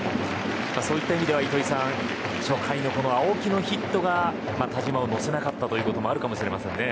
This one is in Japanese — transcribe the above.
そういった意味では糸井さん初回の青木のヒットが田嶋を乗せなかったところがあるかもしれませんね。